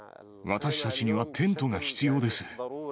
私たちにはテントが必要です。